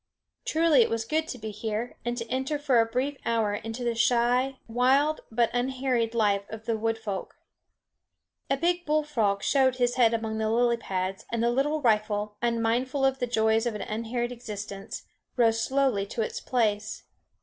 Truly it was good to be here, and to enter for a brief hour into the shy, wild but unharried life of the wood folk. A big bullfrog showed his head among the lily pads, and the little rifle, unmindful of the joys of an unharried existence, rose slowly to its place.